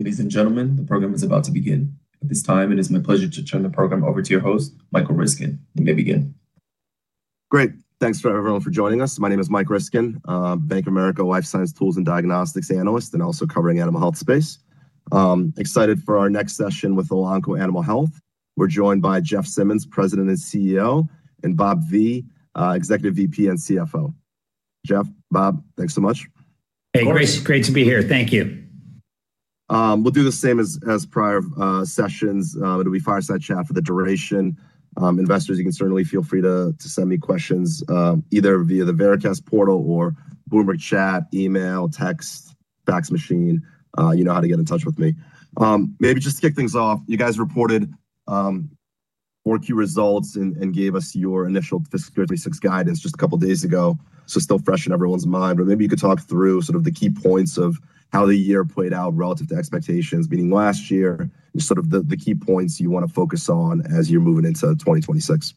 Ladies and gentlemen, the program is about to begin. At this time, it is my pleasure to turn the program over to your host, Michael Ryskin. You may begin. Great. Thanks to everyone for joining us. My name is Mike Ryskin, Bank of America Life Science Tools and Diagnostics analyst, and also covering animal health space. Excited for our next session with Elanco Animal Health. We're joined by Jeff Simmons, President and CEO, and Bob VanHimbergen, Executive VP and CFO. Jeff, Bob, thanks so much. Hey, great to be here. Thank you. We'll do the same as prior sessions. It'll be fireside chat for the duration. Investors, you can certainly feel free to send me questions, either via the Veracast portal or Bloomberg Chat, email, text, fax machine. You know how to get in touch with me. Maybe just to kick things off, you guys reported 4Q results and gave us your initial fiscal 2036 guidance just a couple of days ago, still fresh in everyone's mind. Maybe you could talk through sort of the key points of how the year played out relative to expectations, meaning last year, and sort of the key points you want to focus on as you're moving into 2026.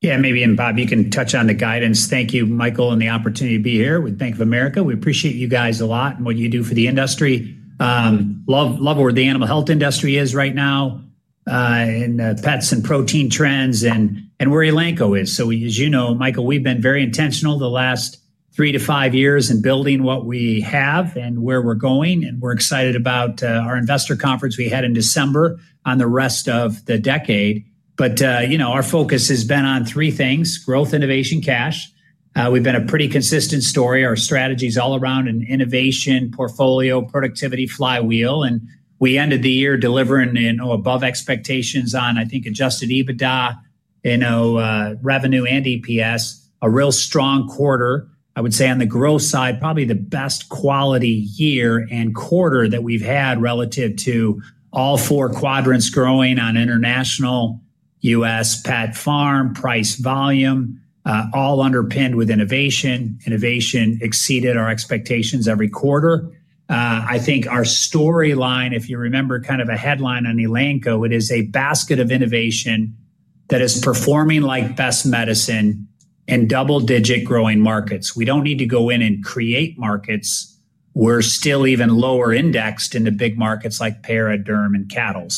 Yeah, maybe, and Bob, you can touch on the guidance. Thank you, Michael, and the opportunity to be here with Bank of America. We appreciate you guys a lot and what you do for the industry. Love where the animal health industry is right now, and pets and protein trends and where Elanco is. As you know, Michael, we've been very intentional the last three to five years in building what we have and where we're going, and we're excited about our investor conference we had in December on the rest of the decade. You know, our focus has been on three things: growth, innovation, cash. We've been a pretty consistent story. Our strategy is all around an innovation, portfolio, productivity flywheel, and we ended the year delivering in above expectations on, I think, Adjusted EBITDA, you know, revenue and EPS. A real strong quarter. I would say on the growth side, probably the best quality year and quarter that we've had relative to all four quadrants growing on international, U.S., pet, farm, price, volume, all underpinned with innovation. Innovation exceeded our expectations every quarter. I think our storyline, if you remember, kind of a headline on Elanco, it is a basket of innovation that is performing like best medicine in double-digit growing markets. We don't need to go in and create markets. We're still even lower indexed in the big markets like para, derm, and cattle.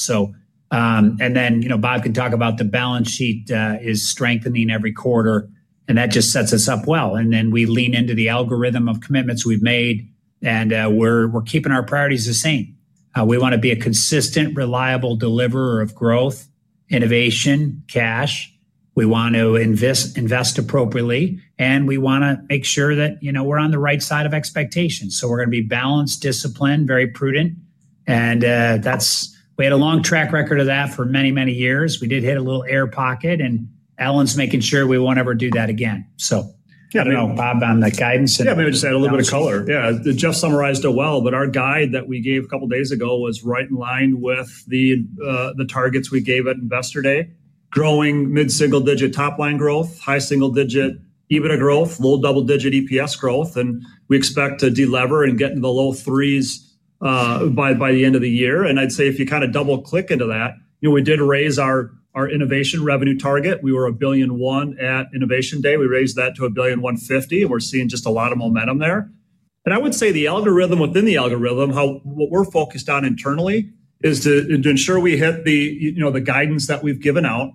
You know, Bob can talk about the balance sheet is strengthening every quarter, that just sets us up well. We lean into the algorithm of commitments we've made, we're keeping our priorities the same. We want to be a consistent, reliable deliverer of growth, innovation, cash. We want to invest appropriately, and we want to make sure that, you know, we're on the right side of expectations. We're going to be balanced, disciplined, very prudent, and we had a long track record of that for many, many years. We did hit a little air pocket, Alan's making sure we won't ever do that again. I don't know, Bob, on the guidance. Maybe just add a little bit of color. Yeah. Jeff summarized it well. Our guide that we gave a couple of days ago was right in line with the targets we gave at Investor Day, growing mid-single-digit top-line growth, high single-digit EBITDA growth, low double-digit EPS growth. We expect to delever and get into the low threes by the end of the year. I'd say if you kind of double-click into that, you know, we did raise our innovation revenue target. We were $1.1 billion at Investor Day. We raised that to $1.15 billion, and we're seeing just a lot of momentum there. I would say the algorithm within the algorithm, what we're focused on internally is to ensure we hit the, you know, the guidance that we've given out.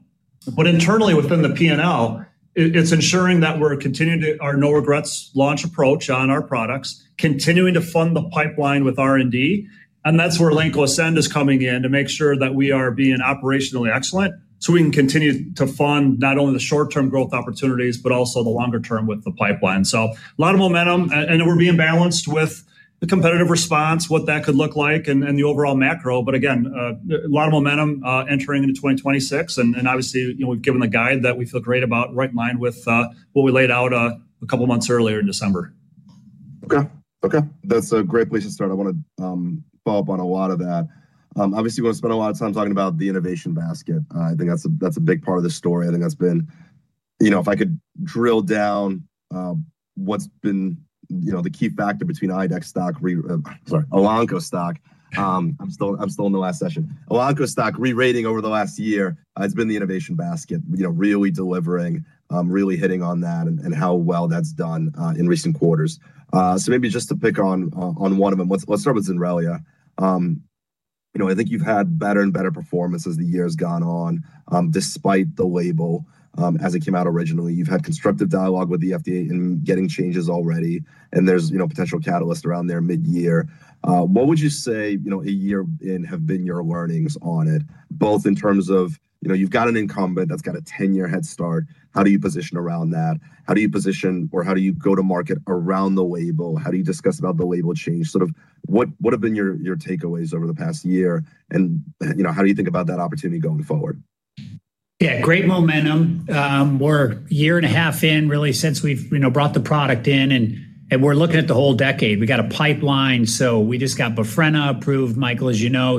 Internally, within the P&L, it's ensuring that we're continuing our no-regrets launch approach on our products, continuing to fund the pipeline with R&D, and that's where Elanco Ascend is coming in to make sure that we are being operationally excellent, so we can continue to fund not only the short-term growth opportunities, but also the longer term with the pipeline. A lot of momentum, and we're being balanced with the competitive response, what that could look like and the overall macro. Again, a lot of momentum entering into 2026, and obviously, you know, we've given the guide that we feel great about, right in line with what we laid out a couple of months earlier in December. Okay. Okay, that's a great place to start. I want to follow up on a lot of that. Obviously, we're going to spend a lot of time talking about the innovation basket. I think that's a, that's a big part of the story. I think that's been. You know, if I could drill down, what's been, you know, the key factor between IDEXX stock, Elanco stock. I'm still in the last session. Elanco stock re-rating over the last year, it's been the innovation basket, you know, really delivering, really hitting on that and how well that's done in recent quarters. Maybe just to pick on one of them. Let's start with Zenrelia. you know, I think you've had better and better performance as the year's gone on, despite the label, as it came out originally. You've had constructive dialogue with the FDA in getting changes already, and there's, you know, potential catalyst around there mid-year. What would you say, you know, a year in, have been your learnings on it, both in terms of, you know, you've got an incumbent that's got a 10-year head start, how do you position around that? How do you position or how do you go to market around the label? How do you discuss about the label change? Sort of, what have been your takeaways over the past year, and, you know, how do you think about that opportunity going forward? Yeah, great momentum. We're a year and a half in, really, since we've, you know, brought the product in, and we're looking at the whole decade. We got a pipeline, so we just got Befreba approved, Michael, as you know.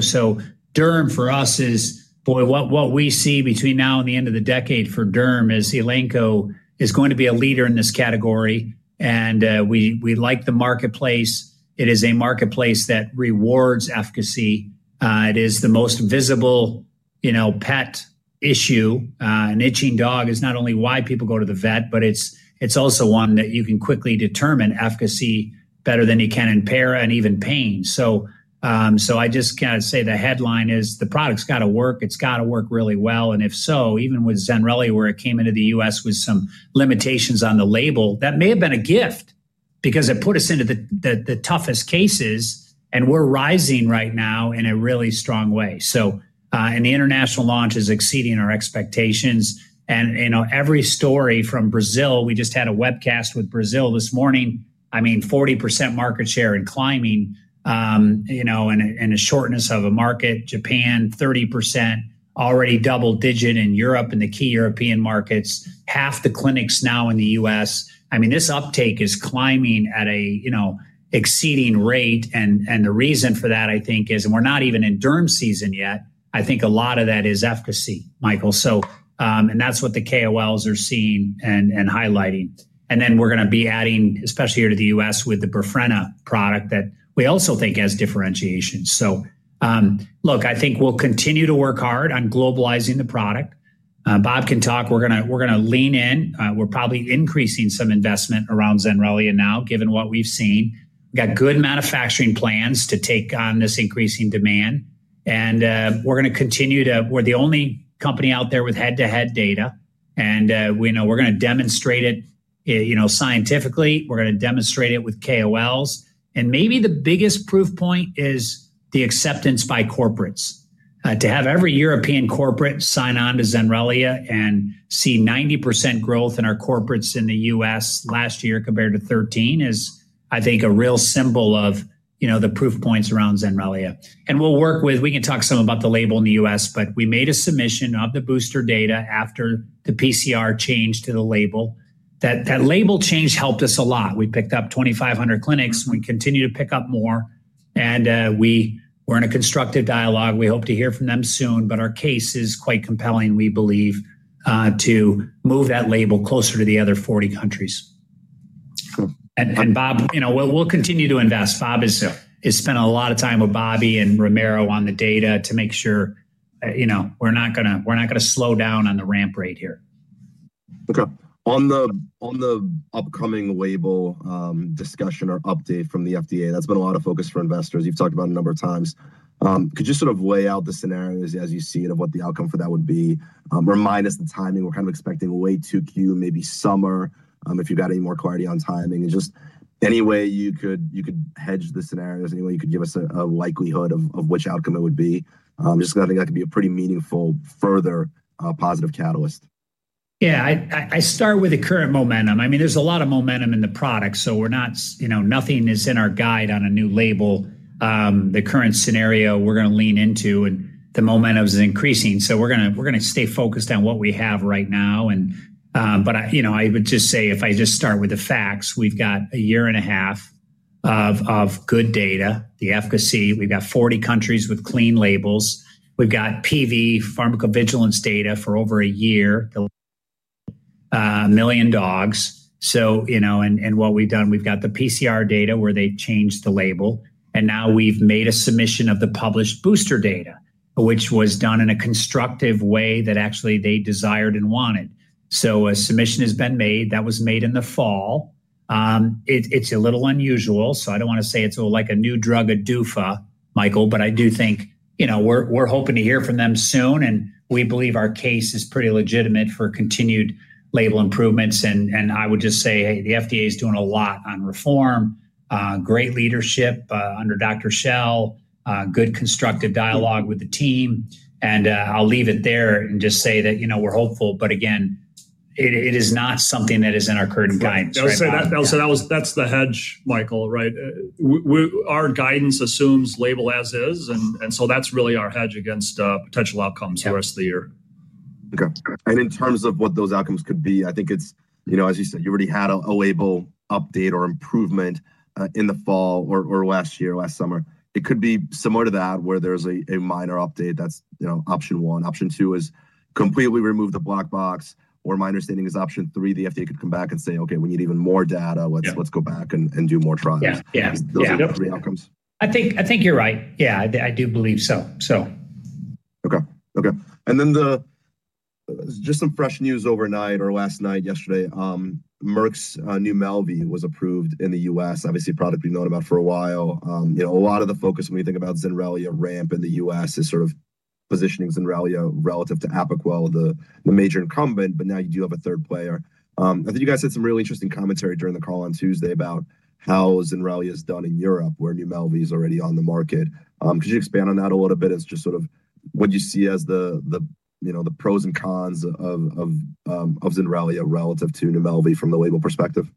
Derm for us is. Boy, what we see between now and the end of the decade for derm is Elanco is going to be a leader in this category, and we like the marketplace. It is a marketplace that rewards efficacy. It is the most visible-... you know, pet issue. An itching dog is not only why people go to the vet, but it's also one that you can quickly determine efficacy better than you can in para and even pain. I just kind of say the headline is, the product's got to work, it's got to work really well, and if so, even with Zenrelia, where it came into the U.S. with some limitations on the label, that may have been a gift, because it put us into the toughest cases, and we're rising right now in a really strong way. The international launch is exceeding our expectations. You know, every story from Brazil, we just had a webcast with Brazil this morning, I mean, 40% market share and climbing, you know, shortness of a market, Japan, 30%, already double-digit in Europe, in the key European markets, half the clinics now in the U.S. I mean, this uptake is climbing at a exceeding rate. The reason for that, I think, is, and we're not even in derm season yet, I think a lot of that is efficacy, Michael. That's what the KOLs are seeing and highlighting. We're going to be adding, especially here to the U.S., with the Porfina product, that we also think has differentiation. Look, I think we'll continue to work hard on globalizing the product. Bob can talk, we're going to lean in. We're probably increasing some investment around Zenrelia now, given what we've seen. We've got good manufacturing plans to take on this increasing demand, and we're the only company out there with head-to-head data, and we know we're going to demonstrate it, you know, scientifically, we're going to demonstrate it with KOLs. Maybe the biggest proof point is the acceptance by corporates. To have every European corporate sign on to Zenrelia and see 90% growth in our corporates in the U.S. last year compared to 13 is, I think, a real symbol of, you know, the proof points around Zenrelia. We can talk some about the label in the U.S., but we made a submission of the booster data after the PCR changed to the label. That label change helped us a lot. We picked up 2,500 clinics. We continue to pick up more, and we're in a constructive dialogue. We hope to hear from them soon, but our case is quite compelling, we believe, to move that label closer to the other 40 countries. Cool. Bob, you know, we'll continue to invest. Bob has spent a lot of time with Bobby and Romero on the data to make sure, you know, we're not gonna slow down on the ramp rate here. Okay. On the, on the upcoming label, discussion or update from the FDA, that's been a lot of focus for investors. You've talked about it a number of times. Could you sort of lay out the scenarios as you see it, of what the outcome for that would be? Remind us the timing. We're kind of expecting way to Q2, maybe summer, if you've got any more clarity on timing. Just any way you could hedge the scenarios, any way you could give us a likelihood of which outcome it would be? Just going to think that could be a pretty meaningful, further, positive catalyst. Yeah, I start with the current momentum. I mean, there's a lot of momentum in the product, so we're not you know, nothing is in our guide on a new label. The current scenario we're going to lean into, and the momentum is increasing, so we're gonna stay focused on what we have right now. I, you know, I would just say, if I just start with the facts, we've got a year and a half of good data, the efficacy. We've got 40 countries with clean labels. We've got PV pharmacovigilance data for over a year, 1 million dogs. You know, and what we've done, we've got the PCR data where they changed the label, and now we've made a submission of the published booster data, which was done in a constructive way that actually they desired and wanted. A submission has been made. That was made in the fall. It's a little unusual, so I don't want to say it's like a new drug, a DOFA, Michael, but I do think, you know, we're hoping to hear from them soon, and we believe our case is pretty legitimate for continued label improvements. And I would just say, hey, the FDA is doing a lot on reform, great leadership under Dr. Schell, good, constructive dialogue with the team, and I'll leave it there and just say that, you know, we're hopeful, but again, it is not something that is in our current guidance. I'll say that, I'll say that's the hedge, Michael, right? Our guidance assumes label as is, and so that's really our hedge against potential outcomes. Yeah... the rest of the year. Okay. In terms of what those outcomes could be, I think it's, you know, as you said, you already had a label update or improvement in the fall or last year, last summer. It could be similar to that, where there's a minor update, that's, you know, option one. Option two is completely remove the black box, or my understanding is option three, the FDA could come back and say, "Okay, we need even more data. Yeah... Let's go back and do more trials. Yeah, yeah. Those are the three outcomes. I think you're right. Yeah, I do believe so. Okay, okay. Just some fresh news overnight or last night, yesterday, Merck's Nuvimelvi was approved in the U.S. Obviously, a product we've known about for a while. You know, a lot of the focus when you think about Zenrelia ramp in the U.S. is sort of positioning Zenrelia relative to Apoquel, the major incumbent, but now you do have a third player. You guys had some really interesting commentary during the call on Tuesday about how Zenrelia has done in Europe, where Nuvimelvi is already on the market. Could you expand on that a little bit as just sort of what you see as the, you know, the pros and cons of Zenrelia relative to Nuvimelvi from the label perspective?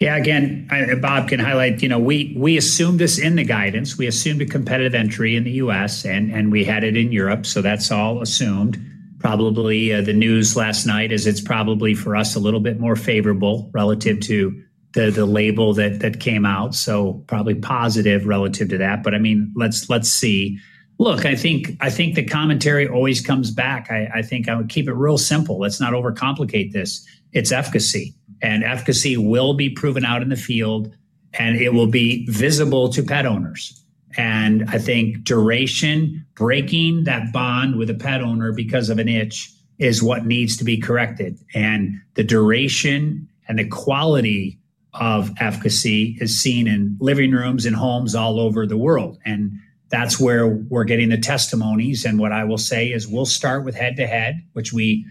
Bob can highlight, you know, we assumed this in the guidance. We assumed a competitive entry in the U.S., and we had it in Europe, that's all assumed. Probably, the news last night is it's probably, for us, a little bit more favorable relative to the label that came out, probably positive relative to that. I mean, let's see. Look, I think the commentary always comes back. I think I would keep it real simple. Let's not overcomplicate this. It's efficacy will be proven out in the field. It will be visible to pet owners. I think duration, breaking that bond with a pet owner because of an itch, is what needs to be corrected. The duration and the quality of efficacy is seen in living rooms and homes all over the world, and that's where we're getting the testimonies. What I will say is, we'll start with head-to-head, which we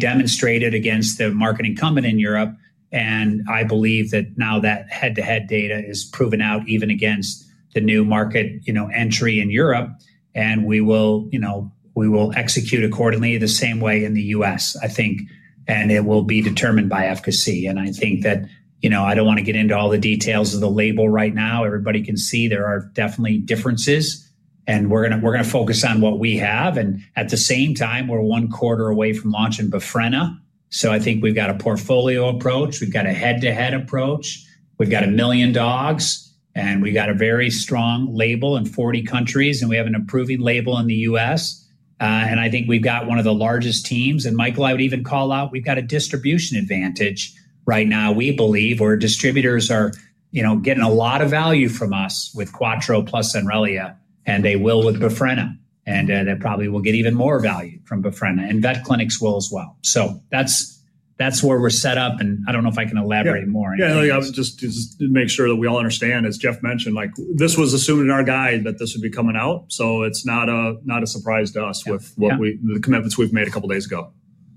demonstrated against the market incumbent in Europe, and I believe that now that head-to-head data is proven out, even against the new market, you know, entry in Europe, and we will, you know, we will execute accordingly the same way in the U.S., I think, and it will be determined by efficacy. I think that, you know, I don't want to get into all the details of the label right now. Everybody can see there are definitely differences, and we're gonna focus on what we have. At the same time, we're one quarter away from launching Befreba, so I think we've got a portfolio approach, we've got a head-to-head approach, we've got 1 million dogs, and we've got a very strong label in 40 countries, and we have an approving label in the U.S. I think we've got one of the largest teams. Michael, I would even call out, we've got a distribution advantage right now. We believe our distributors are, you know, getting a lot of value from us with Quattro plus Zenrelia, and they will with Befreba, and they probably will get even more value from Befreba, and vet clinics will as well. That's, that's where we're set up, and I don't know if I can elaborate more. Yeah. Yeah, I was just to make sure that we all understand, as Jeff mentioned, like, this was assumed in our guide that this would be coming out, so it's not a surprise to us. Yeah... with the commitments we've made a couple days ago.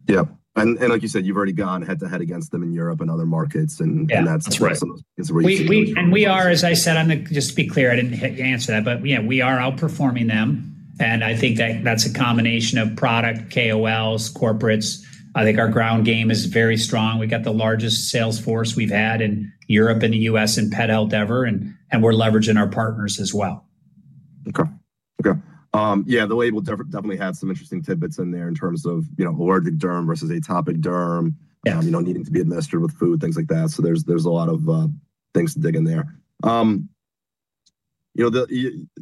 Yeah. Like you said, you've already gone head-to-head against them in Europe and other markets, and- Yeah That's where you- We are, as I said. Just to be clear, I didn't answer that. Yeah, we are outperforming them. I think that that's a combination of product, KOLs, corporates. I think our ground game is very strong. We've got the largest sales force we've had in Europe and the US in pet health ever, and we're leveraging our partners as well. Okay. Okay. Yeah, the label definitely had some interesting tidbits in there in terms of, you know, allergic derm versus atopic derm... Yeah... and, you know, needing to be administered with food, things like that. There's a lot of things to dig in there. You know,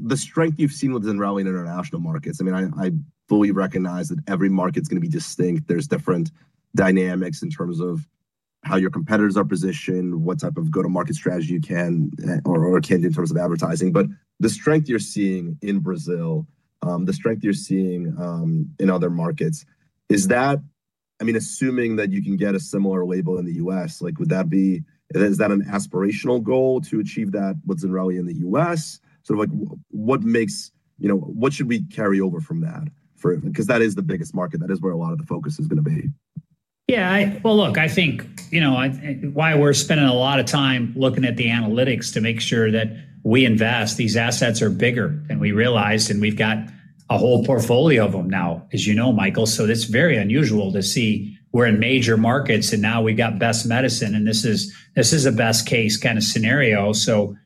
the strength you've seen with Zenrelia in international markets, I mean, I fully recognize that every market's gonna be distinct. There's different dynamics in terms of how your competitors are positioned, what type of go-to-market strategy you can or can't do in terms of advertising. The strength you're seeing in Brazil, the strength you're seeing in other markets. I mean, assuming that you can get a similar label in the U.S., like, is that an aspirational goal to achieve that with Zenrelia in the U.S.? You know, what should we carry over from that because that is the biggest market, that is where a lot of the focus is gonna be. Well, look, I think, you know, why we're spending a lot of time looking at the analytics to make sure that we invest, these assets are bigger than we realized, and we've got a whole portfolio of them now, as you know, Michael. It's very unusual to see we're in major markets, and now we've got best medicine, and this is a best-case kind of scenario.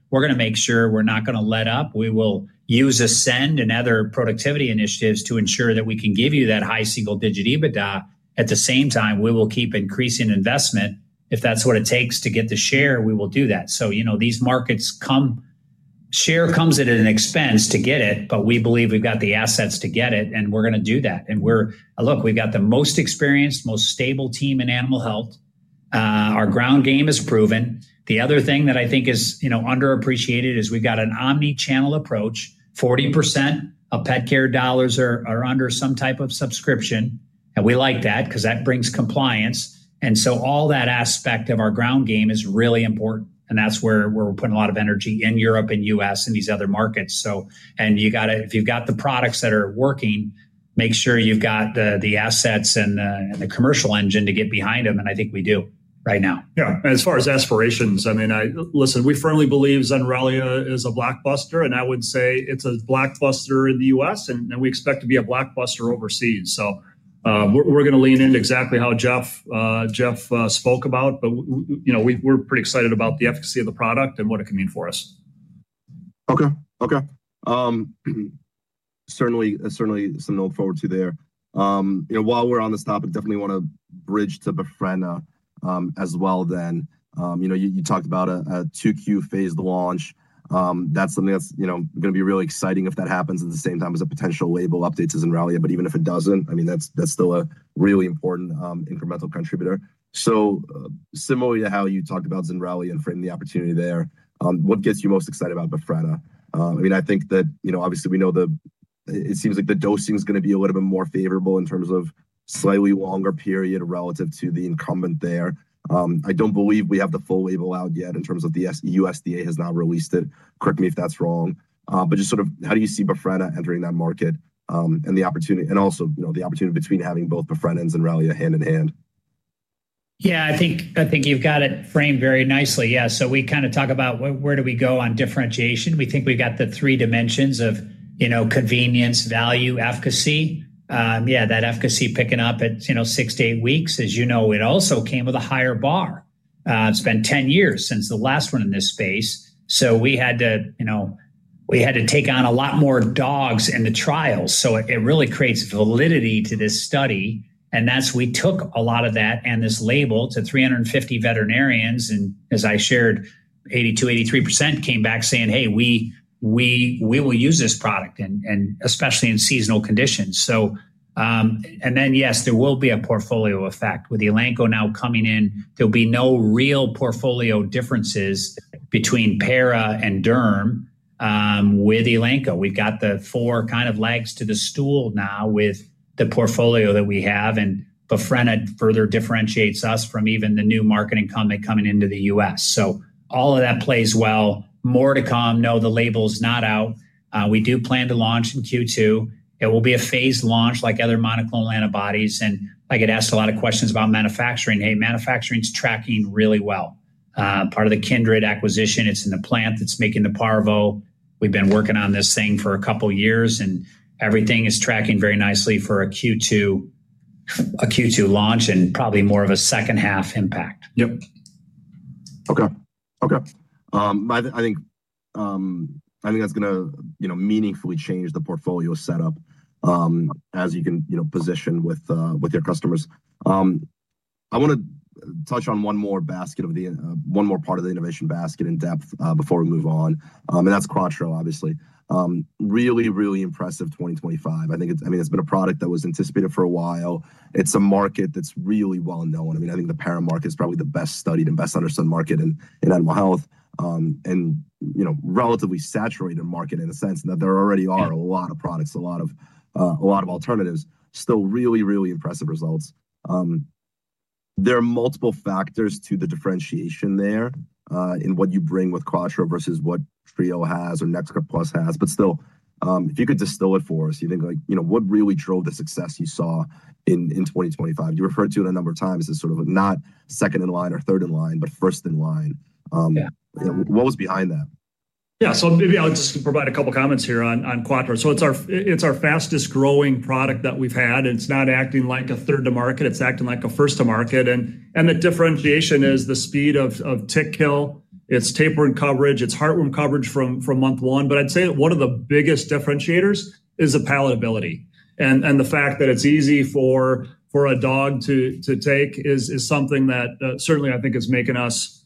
We're gonna make sure we're not gonna let up. We will use Ascend and other productivity initiatives to ensure that we can give you that high single-digit EBITDA. At the same time, we will keep increasing investment. If that's what it takes to get the share, we will do that. You know, these markets come... Share comes at an expense to get it. We believe we've got the assets to get it, and we're gonna do that. Look, we've got the most experienced, most stable team in animal health. Our ground game is proven. The other thing that I think is, you know, underappreciated is we've got an omnichannel approach. 40% of pet care dollars are under some type of subscription, and we like that because that brings compliance. All that aspect of our ground game is really important, and that's where we're putting a lot of energy in Europe and U.S. and these other markets. If you've got the products that are working, make sure you've got the assets and the commercial engine to get behind them, and I think we do right now. Yeah. As far as aspirations, I mean, Listen, we firmly believe Zenrelia is a blockbuster, and I would say it's a blockbuster in the U.S., and we expect to be a blockbuster overseas. We're gonna lean in exactly how Jeff spoke about, but you know, we're pretty excited about the efficacy of the product and what it can mean for us. Okay, okay. Certainly, certainly something to look forward to there. You know, while we're on this topic, definitely wanna bridge to Befreba as well then. You know, you talked about a 2Q phased launch. That's something that's, you know, gonna be really exciting if that happens at the same time as a potential label update to Zenrelia. Even if it doesn't, I mean, that's still a really important incremental contributor. Similarly to how you talked about Zenrelia and framing the opportunity there, what gets you most excited about Befreba? I mean, I think that, you know, obviously, we know the. It seems like the dosing is gonna be a little bit more favorable in terms of slightly longer period relative to the incumbent there. I don't believe we have the full label out yet in terms of the USDA has not released it. Correct me if that's wrong. Just sort of how do you see Befreba entering that market, and the opportunity, and also, you know, the opportunity between having both Befreba and Zenrelia hand in hand? I think, I think you've got it framed very nicely. We kinda talk about where do we go on differentiation. We think we've got the three dimensions of, you know, convenience, value, efficacy. That efficacy picking up at, you know, six to eight weeks. As you know, it also came with a higher bar. It's been 10 years since the last one in this space, we had to, you know, we had to take on a lot more dogs in the trials. It, it really creates validity to this study, and that's we took a lot of that and this label to 350 veterinarians, and as I shared, 82%, 83% came back saying: "Hey, we will use this product, and especially in seasonal conditions. Yes, there will be a portfolio effect. With Elanco now coming in, there'll be no real portfolio differences between Para and Derm with Elanco. We've got the four kind of legs to the stool now with the portfolio that we have, and Befreba further differentiates us from even the new market incumbent coming into the U.S. All of that plays well. More to come. The label's not out. We do plan to launch in Q2. It will be a phased launch like other monoclonal antibodies, and I get asked a lot of questions about manufacturing. Hey, manufacturing's tracking really well. Part of the Kindred acquisition, it's in the plant that's making the Parvo. We've been working on this thing for a couple of years, and everything is tracking very nicely for a Q2, a Q2 launch, and probably more of a second half impact. Yep. Okay, okay. I think, I think that's gonna, you know, meaningfully change the portfolio setup, as you can, you know, position with your customers. I want to touch on one more basket of the one more part of the innovation basket in depth before we move on, that's Quatro, obviously. Really impressive 2025. I mean, it's been a product that was anticipated for a while. It's a market that's really well known. I mean, I think the Para market is probably the best studied and best understood market in animal health, you know, relatively saturated market in the sense that there already are. Yeah... a lot of products, a lot of alternatives. Still really, really impressive results. There are multiple factors to the differentiation there, in what you bring with Quatro versus what Trio has or NexGard PLUS has. Still, if you could distill it for us, you think, like, you know, what really drove the success you saw in 2025? You referred to it a number of times as sort of not second in line or third in line, but first in line. Yeah. What was behind that? Maybe I'll just provide a couple comments here on Quatro. It's our fastest-growing product that we've had. It's not acting like a third to market, it's acting like a first to market. The differentiation is the speed of tick kill, its tapeworm coverage, its heartworm coverage from month one. I'd say that one of the biggest differentiators is the palatability, and the fact that it's easy for a dog to take is something that certainly I think is making us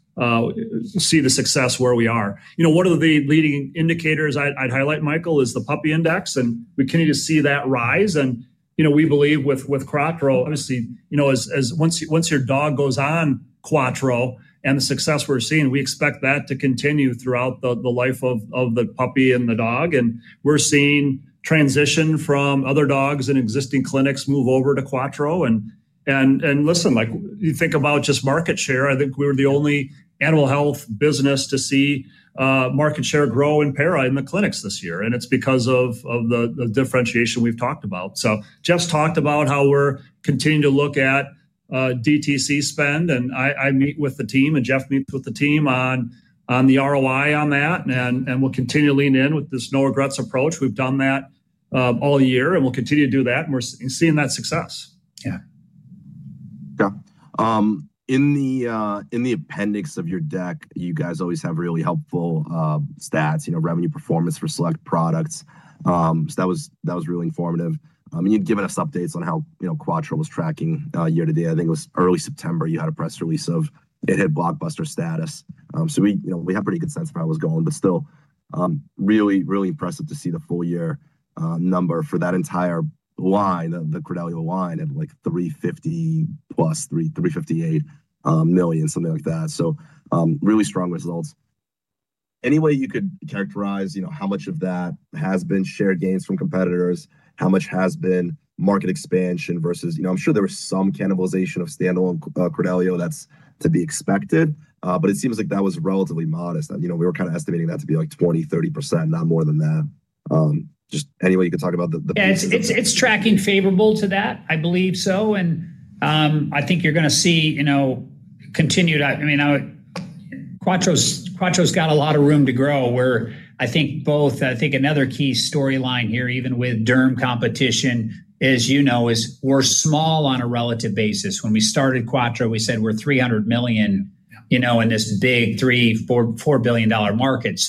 see the success where we are. You know, one of the leading indicators I'd highlight, Michael, is the puppy index, and we continue to see that rise. You know, we believe with Quatro, obviously, you know, as once your dog goes on Quatro and the success we're seeing, we expect that to continue throughout the life of the puppy and the dog. We're seeing transition from other dogs in existing clinics move over to Quatro. Listen, like, you think about just market share, I think we're the only animal health business to see market share grow in Para in the clinics this year, and it's because of the differentiation we've talked about. Jeff's talked about how we're continuing to look at DTC spend, and I meet with the team and Jeff meets with the team on the ROI on that, and we'll continue to lean in with this no-regrets approach. We've done that, all year, and we'll continue to do that, and we're seeing that success. Yeah. Yeah. In the appendix of your deck, you guys always have really helpful stats, you know, revenue performance for select products. That was really informative. I mean, you've given us updates on how, you know, Quatro was tracking year to date. I think it was early September, you had a press release of it hit blockbuster status. We, you know, we have pretty good sense for how it was going, but still, really impressive to see the full year number for that entire line, the Credelio line at, like, $350 plus, $358 million, something like that. Really strong results. Any way you could characterize, you know, how much of that has been shared gains from competitors, how much has been market expansion versus. You know, I'm sure there was some cannibalization of standalone Credelio. That's to be expected, but it seems like that was relatively modest. You know, we were kind of estimating that to be, like, 20%, 30%, not more than that. Just any way you could talk about. Yeah, it's tracking favorable to that. I believe so. I think you're gonna see, you know, continued, I mean, I would. Credelio QUATTRO's got a lot of room to grow, where I think both, I think another key storyline here, even with derm competition, as you know, is we're small on a relative basis. When we started Credelio QUATTRO, we said we're $300 million, you know, in this big $3 billion-$4 billion market.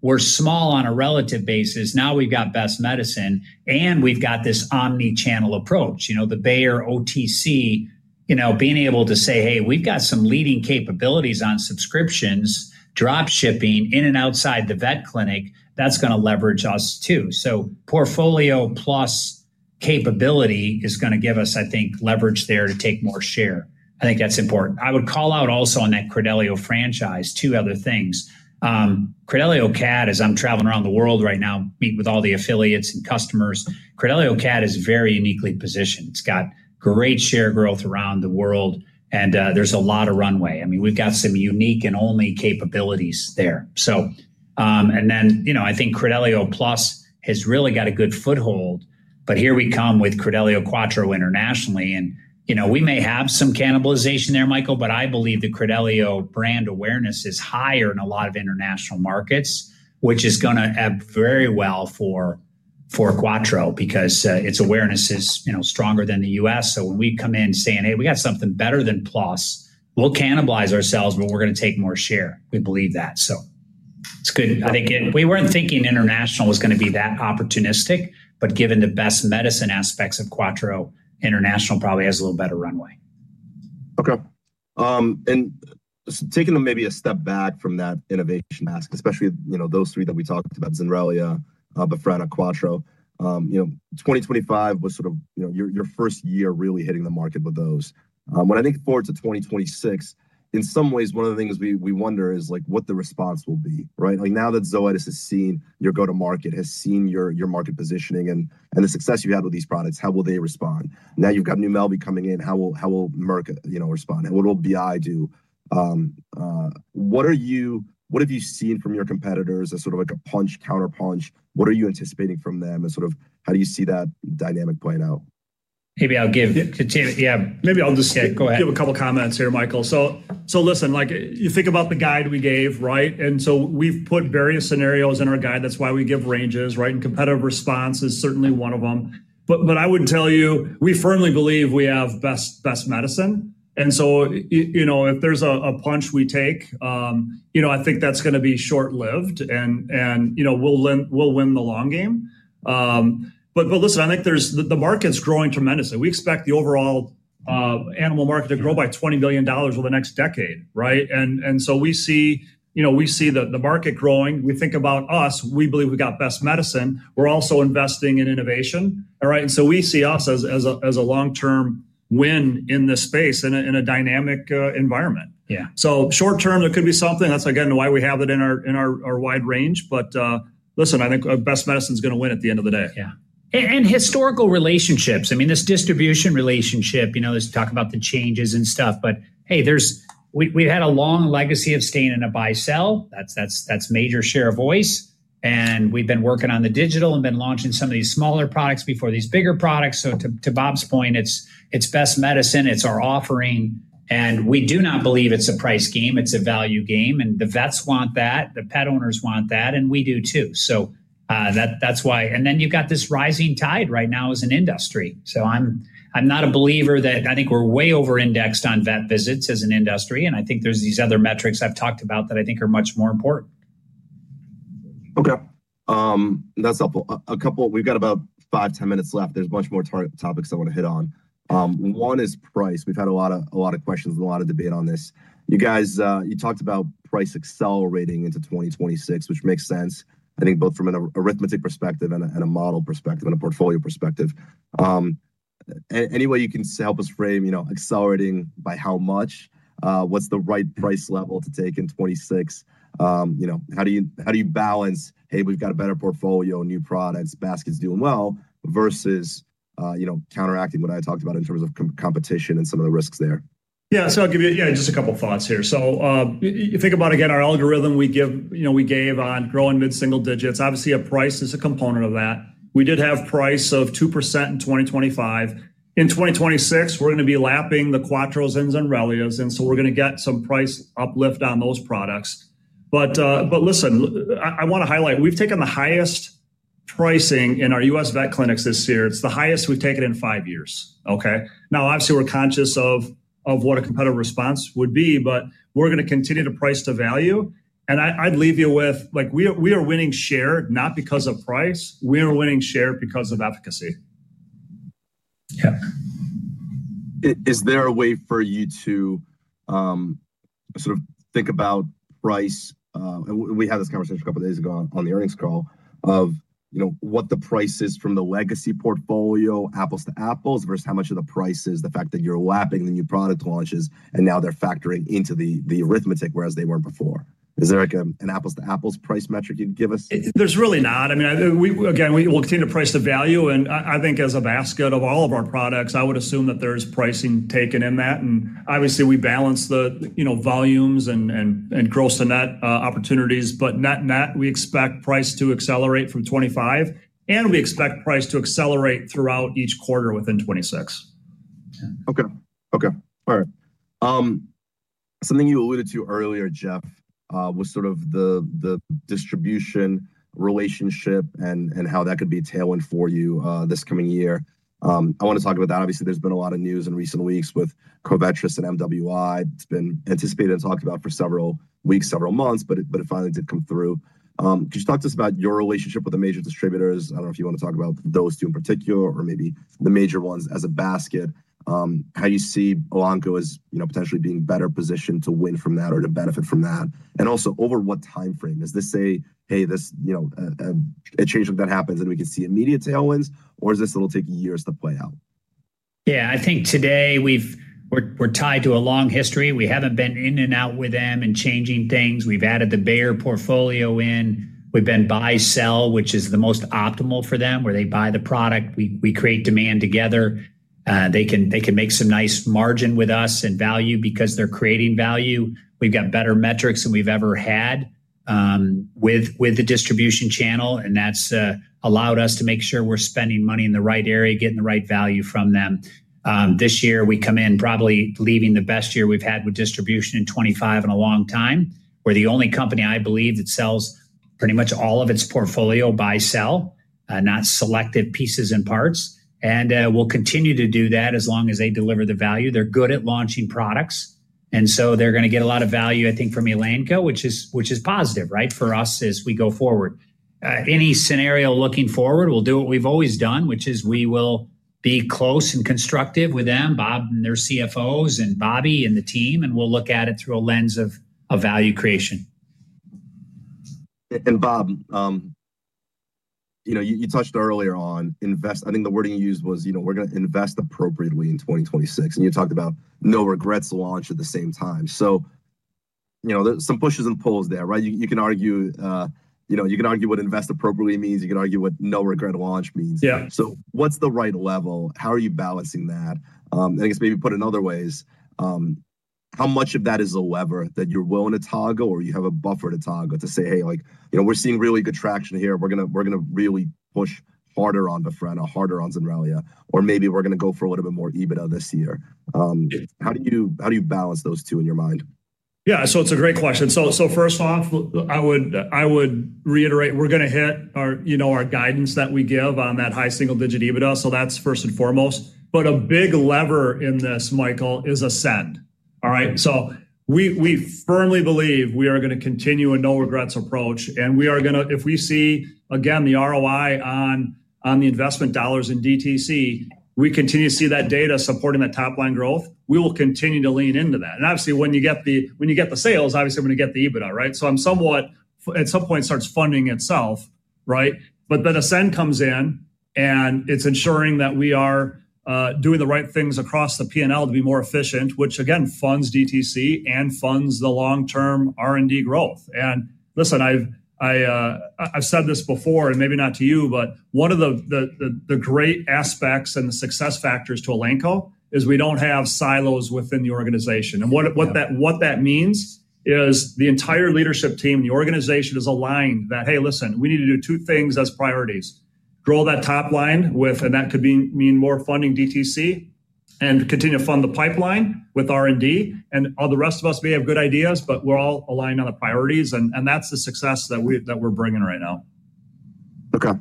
We're small on a relative basis. Now, we've got Best Medicine, and we've got this omnichannel approach. You know, the Bayer OTC, you know, being able to say, "Hey, we've got some leading capabilities on subscriptions, drop shipping in and outside the vet clinic," that's gonna leverage us, too. Portfolio plus capability is gonna give us, I think, leverage there to take more share. I think that's important. I would call out also on that Credelio franchise, two other things. Credelio Cat, as I'm traveling around the world right now, meeting with all the affiliates and customers, Credelio Cat is very uniquely positioned. It's got great share growth around the world, there's a lot of runway. I mean, we've got some unique and only capabilities there. Then, you know, I think Credelio Plus has really got a good foothold, but here we come with Credelio QUATTRO internationally, and, you know, we may have some cannibalization there, Michael, but I believe the Credelio brand awareness is higher in a lot of international markets, which is gonna add very well for Quattro because, its awareness is, you know, stronger than the U.S. When we come in saying: "Hey, we got something better than Plus," we'll cannibalize ourselves, but we're gonna take more share. We believe that, so it's good. I think we weren't thinking international was gonna be that opportunistic, but given the Best Medicine aspects of Quattro, international probably has a little better runway. Okay. Just taking them maybe a step back from that innovation ask, especially, you know, those three that we talked about, Zenrelia, Befreba, Quattro. You know, 2025 was sort of, you know, your first year really hitting the market with those. When I think forward to 2026, in some ways, one of the things we wonder is like what the response will be, right? Like, now that Zoetis has seen your go-to-market, has seen your market positioning and the success you've had with these products, how will they respond? Now, you've got Nuvimelvi coming in, how will Merck, you know, respond, and what will BI do? What have you seen from your competitors as sort of like a punch, counterpunch? What are you anticipating from them, and sort of how do you see that dynamic playing out? Maybe I'll give- Yeah. Continue, yeah. Maybe I'll. Yeah, go ahead. give a couple of comments here, Michael. listen, like, you think about the guide we gave, right? We've put various scenarios in our guide. That's why we give ranges, right? Competitive response is certainly one of them. I would tell you, we firmly believe we have best medicine, and so you know, if there's a punch we take, you know, I think that's gonna be short-lived, and you know, we'll win the long game. listen, I think the market's growing tremendously. We expect the overall animal market to grow by $20 billion over the next decade, right? We see, you know, we see the market growing. We think about us, we believe we've got best medicine. We're also investing in innovation. We see us as a long-term win in this space, in a dynamic environment. Yeah. Short term, there could be something. That's again, why we have it in our wide range, but listen, I think the best medicine is gonna win at the end of the day. Yeah, and historical relationships, I mean, this distribution relationship, you know, let's talk about the changes and stuff, but hey, we've had a long legacy of staying in a buy, sell. That's major share of voice, and we've been working on the digital and been launching some of these smaller products before these bigger products. To Bob's point, it's best medicine, it's our offering, and we do not believe it's a price game, it's a value game, and the vets want that, the pet owners want that, and we do, too. That's why. Then you've got this rising tide right now as an industry. I'm not a believer that I think we're way over indexed on vet visits as an industry, and I think there's these other metrics I've talked about that I think are much more important. Okay, that's helpful. We've got about 5, 10 minutes left. There's a bunch more topics I want to hit on. One is price. We've had a lot of questions and a lot of debate on this. You guys, you talked about price accelerating into 2026, which makes sense, I think both from an arithmetic perspective and a model perspective, and a portfolio perspective. Any way you can help us frame, you know, accelerating by how much, what's the right price level to take in 2026? You know, how do you balance, hey, we've got a better portfolio, new products, basket's doing well, versus, you know, counteracting what I talked about in terms of competition and some of the risks there? I'll give you, yeah, just a couple of thoughts here. You think about, again, our algorithm, we give, you know, we gave on growing mid-single digits. Obviously, a price is a component of that. We did have price of 2% in 2025. In 2026, we're gonna be lapping the Credelio QUATTRO and Zenrelias, we're gonna get some price uplift on those products. Listen, I wanna highlight, we've taken the highest pricing in our U.S. vet clinics this year. It's the highest we've taken in 5 years, okay? Obviously, we're conscious of what a competitive response would be, we're gonna continue to price the value. I'd leave you with, like, we are, we are winning share, not because of price; we are winning share because of efficacy. Yeah Is there a way for you to sort of think about price? We had this conversation a couple of days ago on the earnings call of, you know, what the price is from the legacy portfolio, apples to apples, versus how much of the price is the fact that you're lapping the new product launches, and now they're factoring into the arithmetic, whereas they weren't before. Is there, like, an apples-to-apples price metric you'd give us? There's really not. I mean, again, we'll continue to price the value, and I think as a basket of all of our products, I would assume that there's pricing taken in that, and obviously, we balance the, you know, volumes and gross to net opportunities. Net, net, we expect price to accelerate from 25, and we expect price to accelerate throughout each quarter within 26. Okay. Okay, all right. Something you alluded to earlier, Jeff, was sort of the distribution, relationship, and how that could be a tailwind for you this coming year. I want to talk about that. Obviously, there's been a lot of news in recent weeks with Covetrus and MWI. It's been anticipated and talked about for several weeks, several months, but it finally did come through. Could you talk to us about your relationship with the major distributors? I don't know if you want to talk about those two in particular, or maybe the major ones as a basket, how you see Elanco as, you know, potentially being better positioned to win from that or to benefit from that. Also, over what timeframe? Is this you know a change that happens, and we can see immediate tailwinds, or is this little taking years to play out? I think today we're tied to a long history. We haven't been in and out with them and changing things. We've added the Bayer portfolio in. We've been buy, sell, which is the most optimal for them, where they buy the product, we create demand together. They can make some nice margin with us and value because they're creating value. We've got better metrics than we've ever had with the distribution channel, and that's allowed us to make sure we're spending money in the right area, getting the right value from them. This year, we come in probably leaving the best year we've had with distribution in 25 in a long time. We're the only company, I believe, that sells pretty much all of its portfolio, buy, sell, not selective pieces and parts, and we'll continue to do that as long as they deliver the value. They're good at launching products. They're gonna get a lot of value, I think, from Elanco, which is, which is positive, right, for us as we go forward. Any scenario looking forward, we'll do what we've always done, which is we will be close and constructive with them, Bob, and their CFOs, and Bobby, and the team, and we'll look at it through a lens of value creation. Bob, you know, you touched earlier on I think the wording you used was, you know, "We're gonna invest appropriately in 2026," and you talked about no regrets launch at the same time. You know, there's some pushes and pulls there, right? You can argue, you know, you can argue what invest appropriately means. You can argue what no regret launch means. Yeah. What's the right level? How are you balancing that? I guess maybe put in other ways, how much of that is a lever that you're willing to toggle, or you have a buffer to toggle to say, "Hey, like, you know, we're seeing really good traction here. We're gonna really push harder on Befreba, harder on Zenrelia, or maybe we're gonna go for a little bit more EBITDA this year." How do you balance those two in your mind? Yeah, it's a great question. First off, I would reiterate, we're gonna hit our, you know, our guidance that we give on that high single-digit EBITDA. That's first and foremost. A big lever in this, Michael, is Ascend. All right? We firmly believe we are gonna continue a no-regrets approach, and we are gonna. If we see, again, the ROI on the investment dollars in DTC, we continue to see that data supporting the top-line growth, we will continue to lean into that. Obviously, when you get the sales, obviously, we're gonna get the EBITDA, right? I'm somewhat at some point, it starts funding itself, right? Ascend comes in, and it's ensuring that we are doing the right things across the P&L to be more efficient, which again, funds DTC and funds the long-term R&D growth. Listen, I've said this before, and maybe not to you, but one of the, the great aspects and the success factors to Elanco is we don't have silos within the organization. Yeah. What that means is the entire leadership team, the organization, is aligned that, "Hey, listen, we need to do two things as priorities: grow that top line with...," and that could mean more funding DTC, and continue to fund the pipeline with R&D. All the rest of us, we have good ideas, but we're all aligned on the priorities, and that's the success that we're bringing right now. Okay,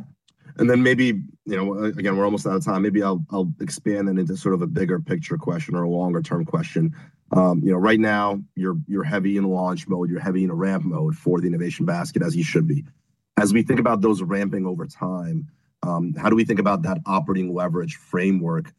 maybe, you know, again, we're almost out of time. Maybe I'll expand it into sort of a bigger picture question or a longer-term question. You know, right now, you're heavy in launch mode, you're heavy in a ramp mode for the innovation basket, as you should be. As we think about those ramping over time, how do we think about that operating leverage framework,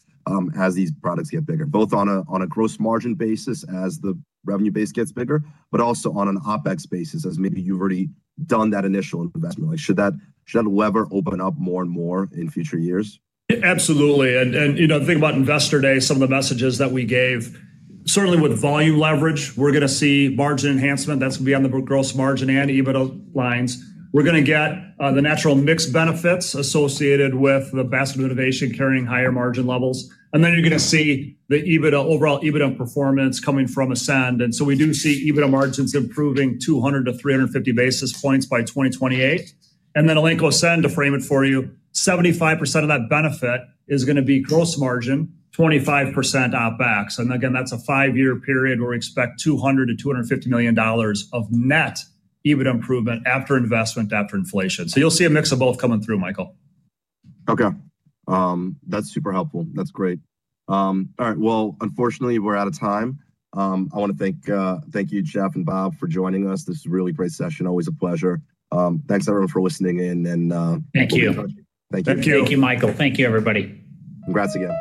as these products get bigger, both on a, on a gross margin basis, as the revenue base gets bigger, but also on an OpEx basis, as maybe you've already done that initial investment? Like, should that, should that lever open up more and more in future years? Absolutely, and, you know, think about Investor Day, some of the messages that we gave. Certainly with volume leverage, we're gonna see margin enhancement that's gonna be on the gross margin and EBITDA lines. We're gonna get the natural mix benefits associated with the basket of innovation carrying higher margin levels. Then you're gonna see the EBITDA, overall EBITDA performance coming from Ascend. We do see EBITDA margins improving 200 to 350 basis points by 2028. Then Elanco Ascend, to frame it for you, 75% of that benefit is gonna be gross margin, 25% OpEx. Again, that's a 5-year period where we expect $200 million-$250 million of net EBITDA improvement after investment, after inflation. You'll see a mix of both coming through, Michael. Okay. That's super helpful. That's great. All right, well, unfortunately, we're out of time. I wanna thank you, Jeff and Bob, for joining us. This was a really great session. Always a pleasure. Thanks, everyone, for listening in. Thank you. Thank you. Thank you. Thank you, Michael. Thank you, everybody. Congrats again.